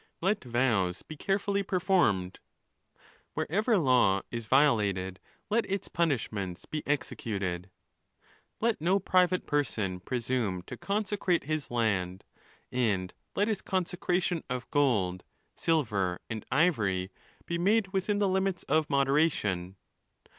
Let vows be carefully performed. Where ever law is violated let its punishments be executed. Let no private person presume to consecrate his land; and let his consecration of gold, silver,.and ivory, be made within the limits of moderation.